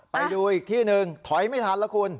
ไปดูอีกที่หนึ่งถอยไม่ทันแล้วคุณ